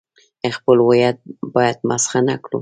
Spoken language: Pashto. خپل هویت باید مسخ نه کړو.